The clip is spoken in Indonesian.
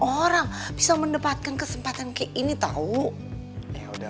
orang bisa mendepati emas jangan disiasiain enggak semua orang bisa mendepati emas jangan disiasiain